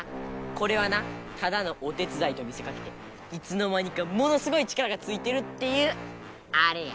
これはなただのお手つだいと見せかけていつの間にかものすごい力がついてるっていうアレや。